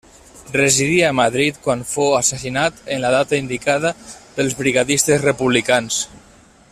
Residia a Madrid, quan fou assassinat en la data indicada, per brigadistes republicans.